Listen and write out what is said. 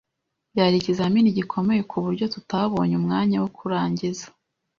Byari ikizamini gikomeye kuburyo tutabonye umwanya wo kurangiza.